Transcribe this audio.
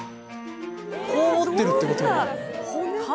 こう持ってるってことだよね缶